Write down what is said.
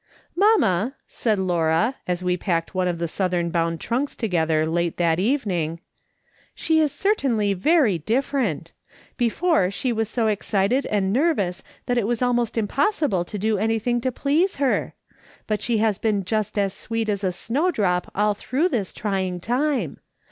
" Mamma," said Laura, as we packed one of the Southern bound trunks together late that evening, " she is certainly very different ; before she was so excited and nervous that it was almost impossible to do anything to please her ; but she has been just as sweet as a snowdrop all through this trying time.